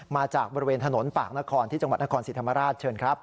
มาจากบริเวณถนนปากนครที่จังหวัดนครศรีธรรมราชเชิญครับ